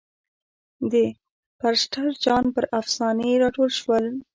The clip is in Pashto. د پرسټر جان پر افسانې را ټول شول.